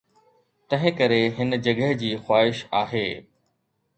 تنهنڪري هن جڳهه جي خواهش آهي